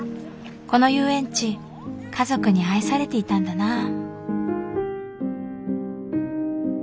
この遊園地家族に愛されていたんだな。